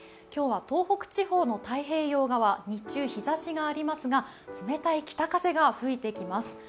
今日は東北地方の太平洋側、日中日差しがありますが、冷たい北風が吹いてきます。